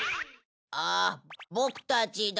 ああボクたちだ。